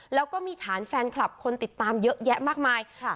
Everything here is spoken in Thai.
แล้วก็มีฐานแฟนคลับคนติดตามเยอะแยะมากมายค่ะ